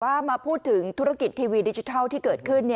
ว่ามาพูดถึงธุรกิจทีวีดิจิทัลที่เกิดขึ้น